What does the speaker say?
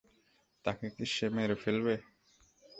তাকে কি মেরে ফেলবো?